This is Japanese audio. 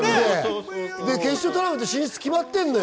決勝トーナメント、進出決まってんのよ。